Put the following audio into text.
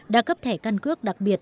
đã cấp thẻ căn cước đặc biệt